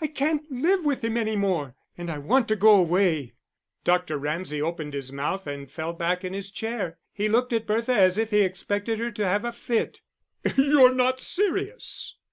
I can't live with him any more, and I want to go away." Dr. Ramsay opened his mouth and fell back in his chair; he looked at Bertha as if he expected her to have a fit. "You're not serious?"